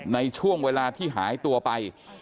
ในช่วงเวลาที่หายตัวไป